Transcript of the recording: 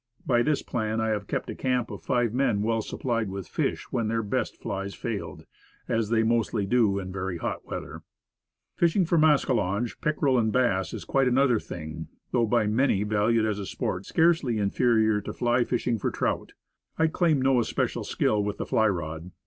By this plan, I have kept a camp of five men well supplied with fish when their best flies failed as they mostly do in very hot weather. Fishing for mascalonge, pickerel, and bass, is quite another thing, though by many valued as a sport scarcely inferior to fly fishing for trout. I claim no especial skill with the fly rod.